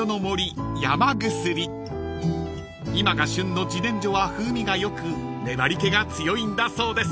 ［今が旬の自然薯は風味が良く粘り気が強いんだそうです］